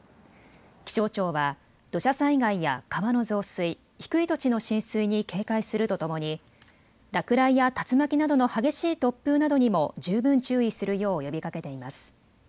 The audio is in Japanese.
気象庁は土砂災害や川の増水、低い土地の浸水に警戒するとともに落雷や竜巻などの激しい突風などにも十分注意するよう呼びかけています。